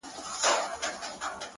هغه به چيري وي’